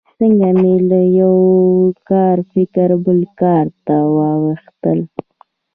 څنګه مې له یوه کاره فکر بل کار ته واوښتل.